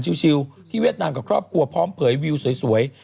ที่เวียดนามกับครอบครัวพร้อมเผยวิวสวย